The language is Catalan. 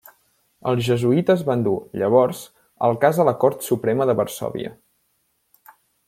Els jesuïtes van dur, llavors, el cas a la Cort Suprema de Varsòvia.